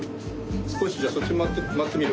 すこしじゃあそっちまわってみる？